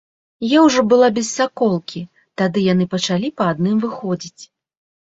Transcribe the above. Я ўжо была без саколкі, тады яны пачалі па адным выходзіць.